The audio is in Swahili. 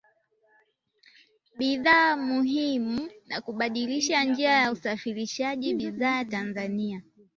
bidhaa muhimu na kubadilisha njia usafarishaji bidhaa Tanzania